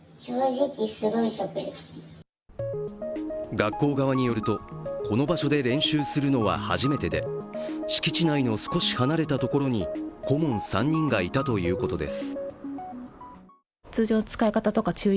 学校側によると、この場所で練習するのは初めてで敷地内の少し離れたところに顧問３人がいたということです。